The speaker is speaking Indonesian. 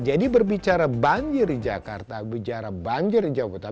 jadi berbicara banjir di jakarta berbicara banjir di jawa kota